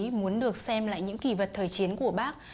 bác muốn được xem lại những kỳ vật thời chiến của bác